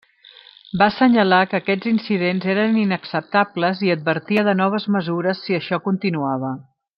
Va assenyalar que aquests incidents eren inacceptables i advertia de noves mesures si això continuava.